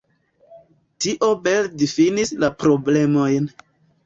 Tio bele difinis la problemon.